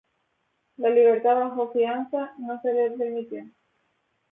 La libertad bajo fianza no se le permitió.